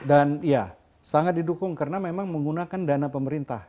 dan ya sangat didukung karena memang menggunakan dana pemerintah